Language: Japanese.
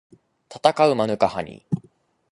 たたかうマヌカハニー